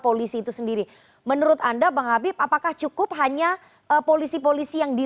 polisi itu sendiri menurut anda bang habib apakah cukup hanya polisi polisi yang di